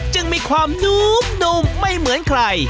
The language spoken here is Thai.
จึงมีความนุ่มไม่เหมือนใคร